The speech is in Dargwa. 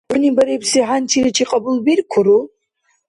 ХӀуни барибси хӀянчиличи кьабулбиркуру?